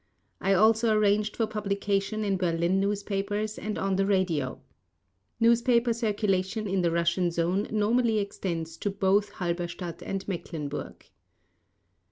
I also arranged for publication in Berlin newspapers and on the radio. Newspaper circulation in the Russian Zone normally extends to both Halberstadt and Mecklenburg.